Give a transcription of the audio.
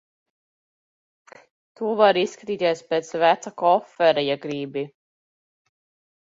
Tu vari izskatīties pēc veca kofera, ja gribi.